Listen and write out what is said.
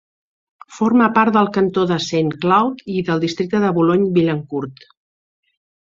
Forma part del cantó de Saint-Cloud i del districte de Boulogne-Billancourt.